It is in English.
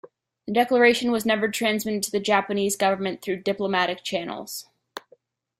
The Declaration was never transmitted to the Japanese government through diplomatic channels.